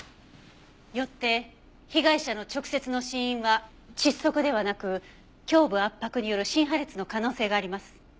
よって被害者の直接の死因は窒息ではなく胸部圧迫による心破裂の可能性があります。